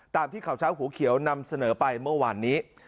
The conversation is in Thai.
ที่ข่าวเช้าหัวเขียวนำเสนอไปเมื่อวานนี้